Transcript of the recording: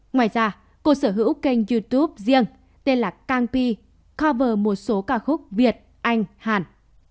ngoài ra cô sở hữu kênh youtube riêng tên là kang pi cover một số ca khúc việt anh hàn